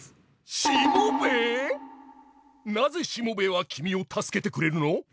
なぜしもべえは君を助けてくれるの？